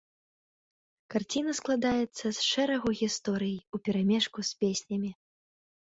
Карціна складаецца з шэрагу гісторый уперамешку з песнямі.